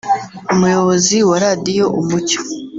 Umuyobozi wa Radiyo Umucyo